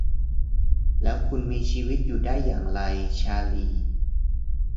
แล้วคุณมีชีวิตอยู่ได้อย่างไร ชาลี